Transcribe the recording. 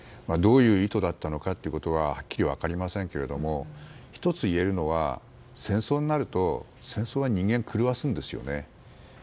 どういう意図だったのかははっきり分かりませんけれども１ついえるのは戦争になると戦争は人間を狂わすんですよね。